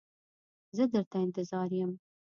زه در ته انتظار یم.